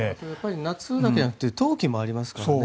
夏だけじゃなくて冬季もありますからね。